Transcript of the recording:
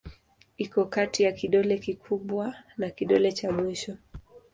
Iko kati ya kidole kikubwa na kidole cha mwisho.